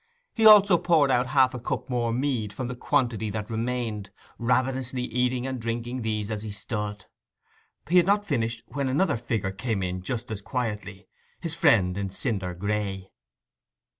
He also poured out half a cup more mead from the quantity that remained, ravenously eating and drinking these as he stood. He had not finished when another figure came in just as quietly—his friend in cinder gray.